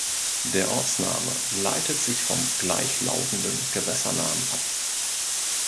Der Ortsname leitet sich vom gleichlautenden Gewässernamen ab.